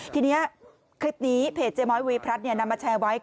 ทีนี้คลิปนี้เพจเจ๊ม้อยวีพลัสนำมาแชร์ไว้